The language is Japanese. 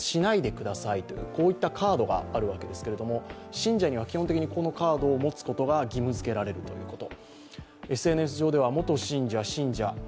信者には基本的にこのカードを持つことが義務づけられるということ。